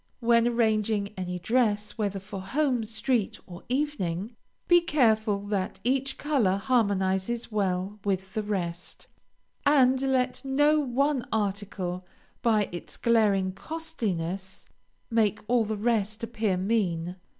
When arranging any dress, whether for home, street, or evening, be careful that each color harmonizes well with the rest, and let no one article, by its glaring costliness, make all the rest appear mean.